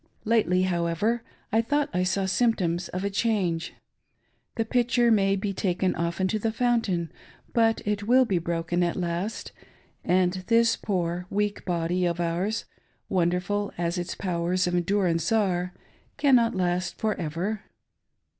Lately, however, I thought I saw symptoms of a change. The pitcher may be taken often to the fountain, but it will be broken at last, and this poor, weak body of ours, wonderful as its powers of endurance are, cannot last for ever.